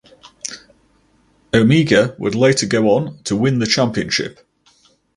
Omega would later go on to win the championship.